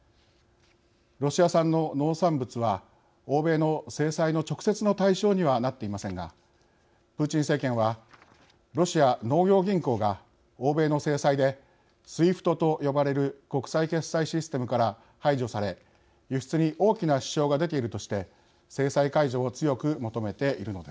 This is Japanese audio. ロシア産の農産物は欧米の制裁の直接の対象にはなっていませんがプーチン政権はロシア農業銀行が欧米の制裁でＳＷＩＦＴと呼ばれる国際決済システムから排除され輸出に大きな支障が出ているとして制裁解除を強く求めているのです。